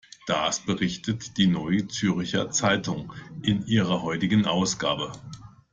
Das berichtet die Neue Zürcher Zeitung in ihrer heutigen Ausgabe.